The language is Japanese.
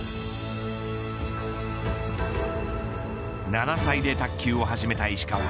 ７歳で卓球を始めた石川。